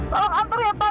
tolong antur ya pak